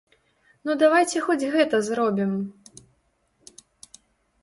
Ну давайце хоць гэта зробім?